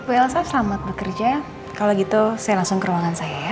bu elsa selamat bekerja kalau gitu saya langsung ke ruangan saya ya